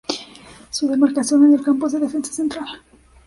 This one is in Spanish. Su demarcación en el campo es de defensa central.